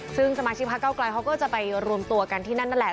ซึ่งสมาชิกพักเก้าไกลเขาก็จะไปรวมตัวกันที่นั่นนั่นแหละ